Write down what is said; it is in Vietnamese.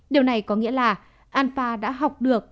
điều này có nghĩa là alpha đã học được